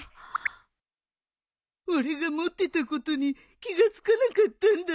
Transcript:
俺が持ってたことに気が付かなかったんだ。